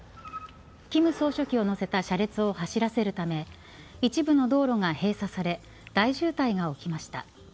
金総書記を乗せた車列を走らせるため一部の道路が閉鎖され大渋滞が起きました。